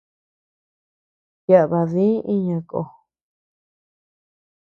Yaʼa badii iña kó.